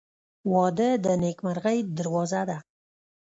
• واده د نیکمرغۍ دروازه ده.